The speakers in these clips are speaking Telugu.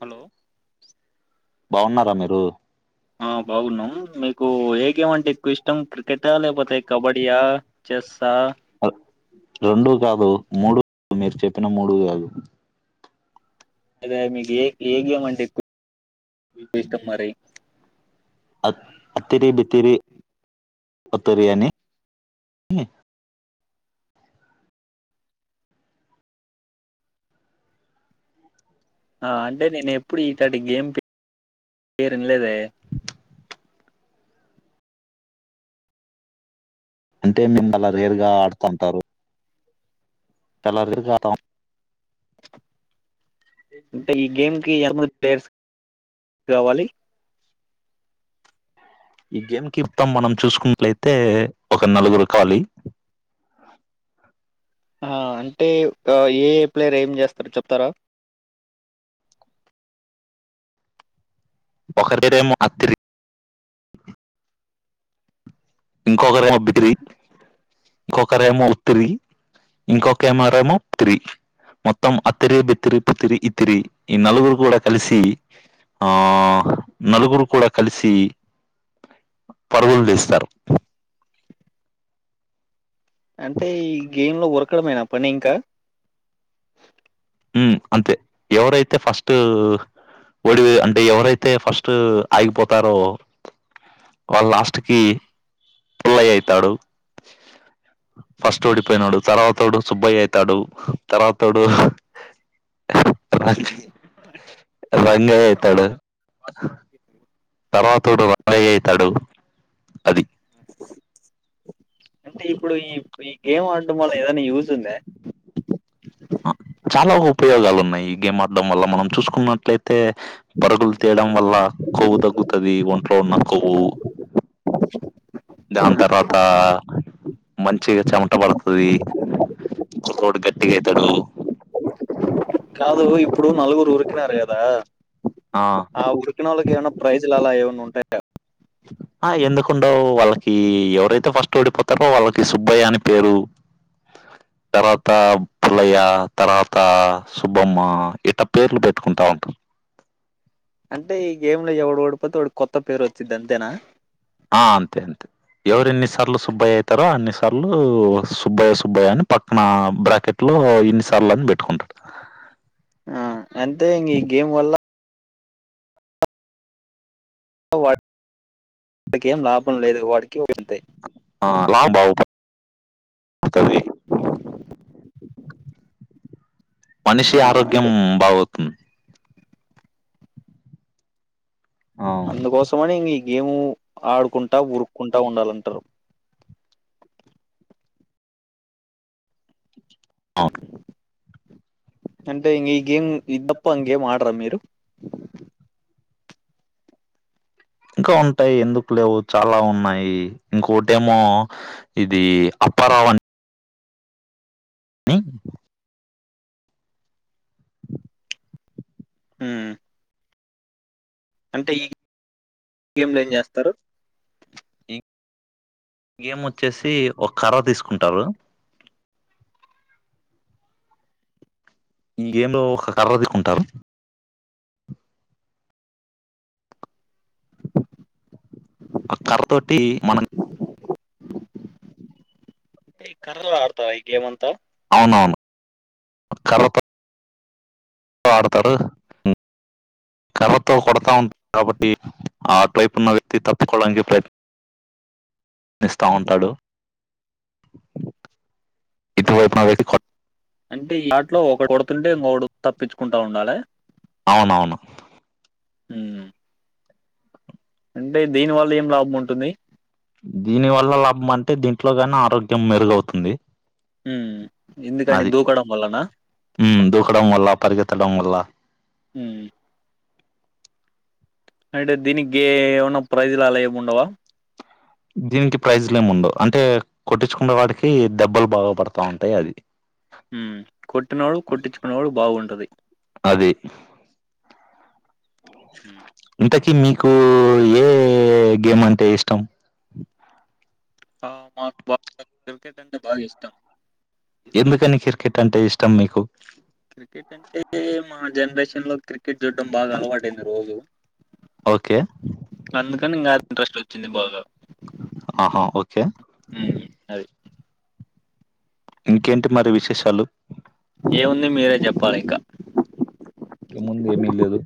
హలో బాగున్నారా మీరు హ్ ఆ బాగున్నాం మీకు ఏ గేమ్ అంటే ఎక్కువ ఇష్టం క్రికెటా లేకపోతే కబడ్డీయా చేస్ ఆ రెండు కాదు మూడు మీరు చెప్పిన మూడు కాదు అదే మీకు ఏ ఏ గేమ్ అంటే ఎక్కువ ఇష్టం మరి అ అతిరి బితిరి ఒతీరి అని ఆ అంటే నేను ఎప్పుడు ఇటటి గేమ్ పేరు ఇనలేదే అంటే మిమ్ అలా రేర్ గా ఆడుతంటారు తెల్లారి లేసి ఆడతాము అంటే ఈ గేమ్ కి ఏర్మ ప్లేర్స్ కావాలి ఈ గేమ్ కి ఇప్తాం మనం చూసుకున్నట్లయితే ఒక నలుగురు కావాలి ఆ అంటే ఏ ఏ ప్లేయర్ ఏం చేస్తారు చెప్తారా ఒకరికైతే మో అత్తిరి ఇంకొకరేమో బిత్తిరి ఇంకొకరేమో ఉత్తిరి ఇంకొక్కమేరెమో బిత్తిరి మొత్తం అత్తిరి బిత్తిరి పుత్తిరి ఇత్తిరి ఈ నలుగురు కూడా కలిసి ఆ నలుగురు కూడా కలిసి పరుగులు తీస్తారు అంటేయిగి గేమ్ లో ఉరకడమేనా పనింకా ఊ అంతే ఎవరైతే ఫస్ట్ ఓడివి అంటే ఎవరైతే ఫస్ట్ ఆగిపోతారో వాళ్ళు లాస్ట్ కి పుల్లయయ్యితాడు ఫస్ట్ ఓడిపోయినోడు తర్వాతోడు సుబ్బయయితాడు తర్వాతోడూ రంగయయితాడు తర్వాతోడు రంగయయితాడు అది ఆ అంటే ఇప్పుడు ఈ ఈ గేమ్ ఆడం వల్ల ఏదైనా యూజ్ ఉందా చాలా ఉపయోగాలున్నాయ్ ఈ గేమ్ ఆడం వల్ల మనం చూసుకున్నట్లయితే పరుగులు తియ్యడం వల్ల కొవ్వు తగ్గుతది ఒంట్లో ఉన్న కొవ్వు డి దాన్ తర్వాతా మంచిగ చెమట పడతది కుర్రోడు గట్టిగయితడు కాదు ఇప్పుడు నలుగురురికినారు కదా ఆ ఆ ఉరికినోళ్ళకి ఏమన్నా ప్రైజ్లు అలా ఏమైన్నా ఉంటాయా ఆ ఎందుకుండవ్ వాళ్ళకి ఎవరైతే ఫస్ట్ ఓడిపోతారో వాళ్ళకి సుబ్బయ్య అని పేరు తర్వాతా పులయ్య తర్వాతా సుబ్బమ్మ ఇట్ట పేర్లు పెట్టుకుంటా ఉంటాం అంటే ఈ గేమ్ లో ఎవడు ఓడిపోతే వాడికి కొత్త పేరు వచ్చిది అంతేనా ఆ అంతే అంతే ఎవరు ఎన్ని సార్లు సుబ్బాయయితారో అన్ని సార్లు సుబ్బాయ్య సుబ్బయ్య అని పక్కనా బ్రాకె ట్లో ఇన్నిసార్లు అని పెట్టుకుంటడు అంతే ఇంగ ఈ గేమ్ వల్ల వాడికేం లాభం లేదు వాడికే వదులుతయ్ [unintelligible] మనిషి ఆ ఆరోగ్యం అంటే బాగవుతుంది అవును. అందుకోసమని ఇంగ ఈ గేమ్ ఆడుకుంటా ఉరుక్కుంటా ఉండాలంటర్ ఆ అంటే ఇంగ ఈ గేమ్ ఇది తప్ప ఇంగేమ్ ఆడరా మీరు ఇంకా ఉంటాయ్ ఎందుకు లేవు చాలా ఉన్నాయి ఇంకొటేమో ఇది అప్పరావ్ అన్ నీ ఊ అంటే ఈ గేమ్లో ఏం చేస్తారు గేమ్ వచ్చేసి ఒక్ కర్ర తీసుకుంటరు ఈ గేమ్ లో ఒక కర్ర దికుంటారు ఆ కర్ర తోటి మనమ్ ఈ కర్రలో ఆడతారా ఈ గేమ్ అంతా అవునవును కర్రతో తో ఆడతరు కర్రతో కొడతా ఉన్ కాబట్టి అటువైపున్న వ్యక్తి తప్పుకోడానికి ప్రయత్ని ఇస్తా ఉంటాడు ఇటువైపు నా వైతే కొ, అంటే ఈ ఆట లో ఒకటి కొడుతుంటే ఇంకొకడు తప్పించుకుంటా ఉండాలి. అవునవును ఉం అంటే దీని వల్ల ఏం లాభం ఉంటుంది. దీని వల్ల లాభం అంటే దీంట్లో కానే ఆరోగ్యం మెరుగవుతుంది. ఉం ఎందుకని దూకడం వల్లన, ఉం దూకడం వల్ల పరిగెత్తడం వల్ల, ఉం అంటే దీనికి ఏమైనా ప్రైజ్లు అలా ఏవి ఉండవా, దీనికి ప్రైజ్లు ఏము ఉండవు అంటే కొట్టించుకునే వాడికి దెబ్బలు బాగుపడతా ఉంటాయి అది. ఉం కొట్టినవాడు కొట్టించుకునే వాడు బాగుంటుంది. అది ఉమ్, ఇంతకి మీకు ఏ గేమ్ అంటే ఇష్టం. హ మాకు బాగా క్రికెట్ అంటే బాగా ఇష్టం. ఎందుకని క్రికెట్ అంటే ఇష్టం మీకు, క్రికెట్ అంటే మా జనరేషన్ లో క్రికెట్ చూడ్టడం బాగా అలవాటంది రోజు, ఓకే అందుకని ఇంకా ఆ ఇంట్రెస్ట్ వచ్చింది బాగా, ఆహా ఓకే ఉం ఇంకేంటి మరి విశేషాలు, ఏముంది మీరే చెప్పాలి ఇంకా, ఏముంది ఏమీ లేదు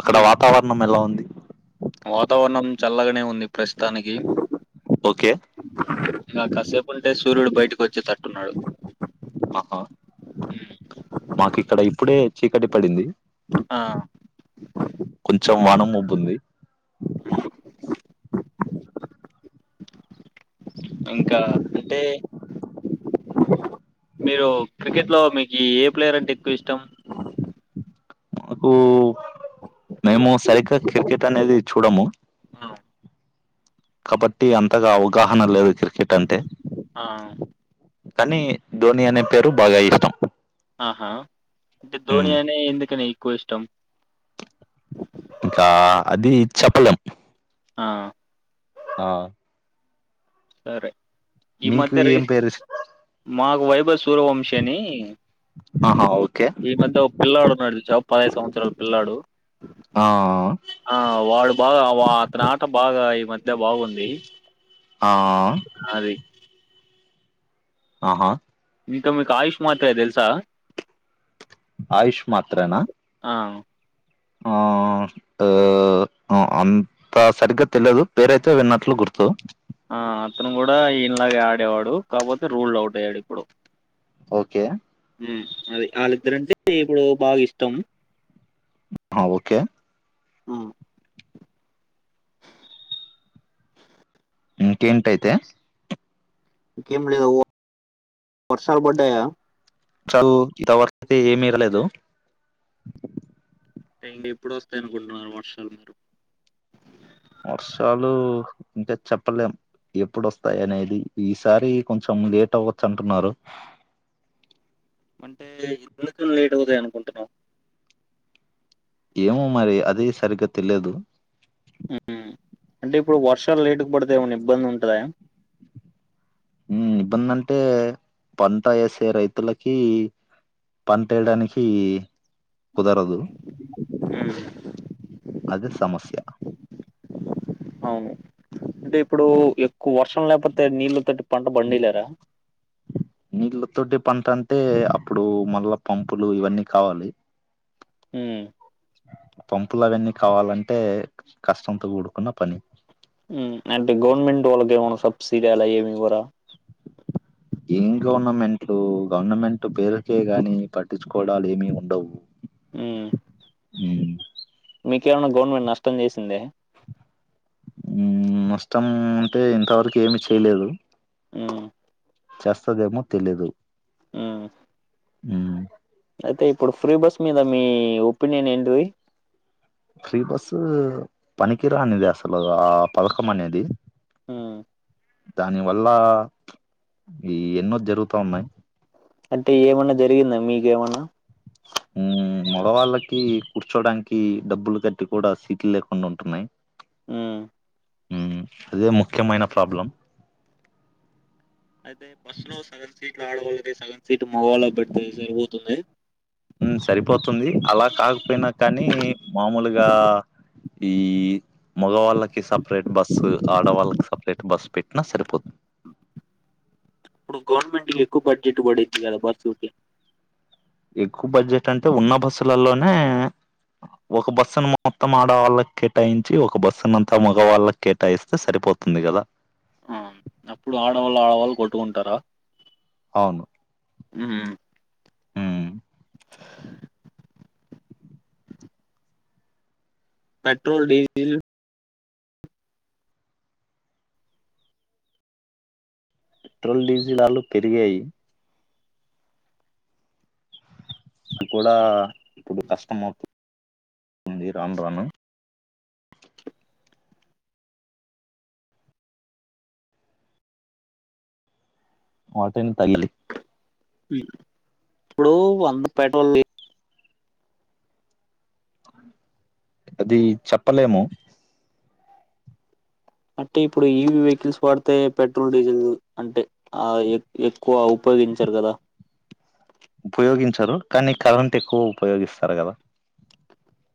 అక్కడ మీ వాతావరణం ఎలా ఉంది. వాతావరణం చల్లగానే ఉంది ప్రస్తుతానికి, ఓకే. ఇక కాసేపు ఉంటే సూర్యుడు బయటకు వచ్చి తట్టున్నాడు. ఆహా మాకు ఇక్కడ ఇప్పుడే చీకటి పడింది. ఆ కొంచెం వానం ముబ్బుంది. ఇంకా అంటే మీరు, క్రికెట్ లో మీకు ఏ ప్లేయర్ అంటే ఎక్కువ ఇష్టం. మాకు మేము సరిగ్గా క్రికెట్ అనేది చూడము. ఆ కాబట్టి అంతగా అవగాహన లేదు క్రికెట్ అంటే ఆ, కానీ ధోని అనే పేరు బాగా ఇష్టం. ఆహా అంటే ధోని హ్మ్. అనే ఎందుకని ఎక్కువ ఇష్టం. ఇంకా అది చెప్పలేం, ఆ ఆ సరే ఈ మీకు మధ్య ఏం రేస్ పేరు ఇష్ మాకు వైభవ్ సూర్యావంశిని, ఆహా ఓకే ఈ మధ్య ఒక పిల్లాడున్నాడు చ పదిైవేను సంవత్సరాల పిల్లాడు. ఆ ఆ వాడు బాగా వా అతని ఆట బాగా ఈ మధ్య బాగుంది ఆ నాది ఆహా ఇంకా మీకు ఆయుష్ మత్తయి తెల్సా ఆయుష్ మాత్రనా అ అ ఆ ఆ ఆ అంత సరిగ్గా తెలియదు పేరయితే విన్నట్లు గుర్తు ఆ అతను కూడా ఈయనలాగే ఆడేవాడు కాకపోతే రూల్ అవుట్ అయ్యాడు ఇప్పుడు ఓకే ఉ అది ఆళ్ళిద్దరంటే ఇప్పుడు బాగా ఇష్టం ఆ ఓకే ఉ ఇంకేంటైతే ఇంకేం లేవు వర్షాలు పడ్డాయా చాల్ ఇదివరైతే ఏమిీరలేదు ఇంకా ఇప్పుడు వస్తాయి అనుకుంటున్నారు వర్షాలు మీకు వర్షాలు అంటే చెప్పలేము ఎప్పుడుొస్తాయి అనేది ఈసారి కొంచెం లేట్ అవ్వచ్చు అంటున్నారు అంటే ఇక లేట్ అవుతాయి అనుకుంటున్నావ్ ఏమో మరి అది సరిగ్గా తెలియదు అంటే ఇప్పుడు వర్షాలు లేటు పడితే ఏమన్నా ఇబ్బంది ఉంటుందా ఉ ఇబ్బంది అంటే పంట ఎసే రైతులకి పంటేయడానికి కుదరదు ఉమ్. అదే సమస్య అవును అంటే ఇప్పుడు ఎక్కువ వర్షం లేకపోతే నీళ్ళతోటి పంట పండియలేరా నీళ్ళతోటి పంట అంటే అప్పుడు మళ్ళా పంపులు ఇవన్నీ కావాలి ఉ పంపులు అవన్నీ కావాలంటే కష్టంతో కూడుకున్న పని ఉ అంటే గవర్నమెంట్ వాళ్ళకి ఏమైనా సబ్సిడీ అలా ఏమివరా ఏం గవర్నమెంట్లు గవర్నమెంట్ పేరుకే గాని పట్టించుకోవడాలు ఏమి ఉండవు ఉ ఉ మీకేమైన్నా గవర్నమెంట్ నష్టం చేసిందే ఉ నష్టం అంటే ఇంతవరకు ఏమి చేయలేదు ఉ చేస్తాదేమో తెలిదు ఉ ఉ అయితే ఇప్పుడు ఫ్రీ బస్ మీద మీ ఒపీనియన్ ఏంటిది ఫ్రీ బస్ పనిరానిది అసలు ఆ పథకం అనేది ఉ దాని వల్ల ఈ ఎన్నో జరుగుతా ఉన్నాయి్ అంటే ఏమన్నా జరిగిందా మీకు ఏమన్నా మ్ మొగవాళ్ళకి కూర్చోడానికి డబ్బులు కట్టి కూడా సీట్లు లేకుండా ఉంటున్నాయి మ్ మ్ అదే ముఖ్యమైన ప్రాబ్లం అయితే ఈ బస్సులో సగం సీట్లు ఆడవాళ్లకి సగం సీట్లు మగ వాళ్ళకి పెడితే సరిపోతుంది న్ సరిపోతుంది అలా కాకపోయినా కానీ మామూలుగా ఈ మగవాళ్ళకి సపరేట్ బస్సు ఆడవాళ్ళకి సపరేట్ బస్సు పెట్టినా సరిపోతుం అప్పుడు గవర్నమెంట్కిి ఎక్కువ బడ్జెట్ పడింది కదా బస్సుల్కి ఎక్కువ బడ్జెట్ అంటే ఉన్న బస్సులలోనే ఒక బస్సును మొత్తం ఆడవాళ్ళకి కేటాయించి ఒక బస్సును అంతా మగవాళ్ళకి కేటాయిస్తే సరిపో తుంది కదా అవును అప్పుడు ఆడవాళ్ళు ఆడవాళ్ళు కొట్టుకుంటారా అవును మ్ ఉమ్ పెట్రోల్ డీజిల్ పెట్రోల్ డీజిల్ ధరలు పెరిగాయి అది కూడా ఇప్పుడు కష్టం అవుతుంది రాను రాను వాటిన్ తగిలి మ్ ఇప్పుడు అంత పెట్రోల్ అది చెప్పలేము అంటే ఇప్పుడు ఈవి వెహికల్స్ వాడితేా పెట్రోల్ డీజిల్ అంటే ఆ ఎ ఎక్కువ ఉపయోగించారు కదా ఉపయోగించరు కానీ కరెంట్ ఎక్కువ ఉపయోగిస్తారు కదా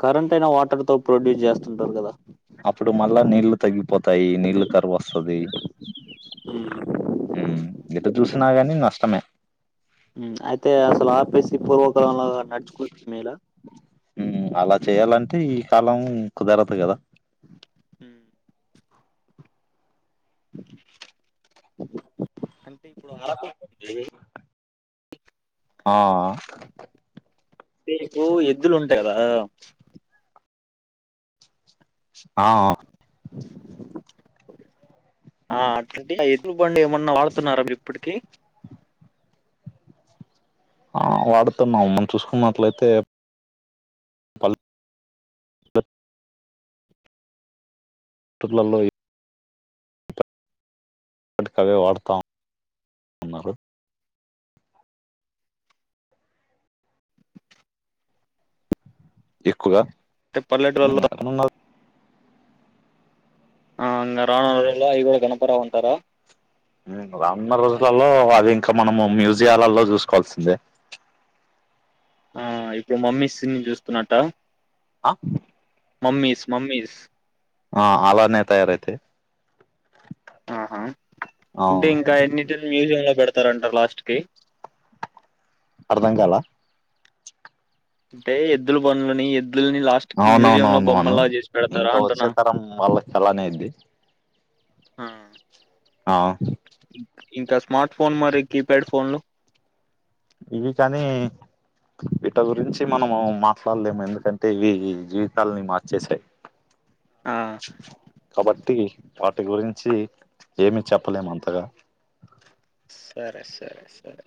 కరెంట్ అయినా వాటర్ తో ప్రొడ్యూస్ చేస్తుంటారు కదా అప్పుడు మళ్ళా నీళ్లు తగ్గిపోతాయి నీళ్లు కరువోస్తది మ్ ఎటు చూసినా గాని నష్టమే మ్ అయితే అసలు ఆఫేసి పూర్వకాలం లాగా నడుచుకుంటే మేళా మ్ అలా చేయాలంటే ఈ కాలం కుదరదు కదా అంటే ఇప్పుడు అర్కు ఆ మీకు ఎద్దులు ఉంటాయి కదా ఆ ఆ అట్ల ఆ బండి ఏమన్నా వాడుతున్నారా మీ ఇప్పటికీ ఆ వాడుతున్నాం మనం చూసుకున్నట్లయితే ట్లలో ఇప్పటికవే వాడుతాం తున్నారు ఎక్కుగా టే పల్లెటూరులో ఆ ఇంగ రానున్న రోజుల్లో అవి కూడా గనపడవు ఉంటారా మ్ రానున్న రోజులలో అవి ఇంకా మనము మ్యూజియాలలో చూసుకోవాల్సిందే ఆ ఇప్పుడు మమ్మీస్ ని చూస్తున్నట్ట ఆ మమ్మీస్ మమ్మీస్ ఆ అలానే తయారయితే ఆహా అంటే ఇంకా ఎన్నింటి [unintelligible] లో పెడతారంటారు లాస్ట్ కి అర్ధం కాలా అంటే ఎద్దుల బనులని ఎద్ ద్ల్ని లాస్ట్క్ మ్యూజియం లో అవునవునవునవును బొమ్మలా చేసి పెడతారా ఇంకా అంటున్నా వచ్చే తరం వాళ్ళకి అలానే అయిద్ది ఆ ఆ ఇంకా స్మార్ట్ ఫోన్ మరి కీప్యాడ్ ఫోన్లు ఇవి కానీ వీట గురించి మనము మాట్లాడలేము ఎందుకంటే ఇవి జీవితాలని మార్చేసాయి ఆ కాబట్టి వాటి గురించి ఏమి చెప్పలేము అంతగా సరే సరే సరే